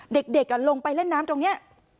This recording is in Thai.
เด็กลงไปเล่นน้ำตรงนี้